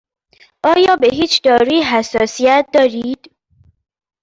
آیا به هیچ دارویی حساسیت دارید؟